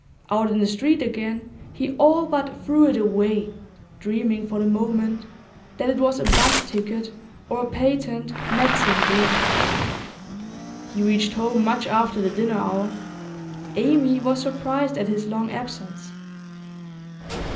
Out in the street again, he all but threw it away, dreaming for the moment that it was a 'bus ticket or a patent medicine bill. He reached home much after the dinner hour. Amy was surprised at his long absence.